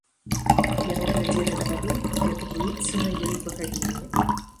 Яны глядзелі на ваду, як бруіцца на ёй багавінне.